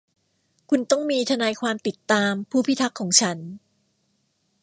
คุณต้องมีทนายความติดตามผู้พิทักษ์ของฉัน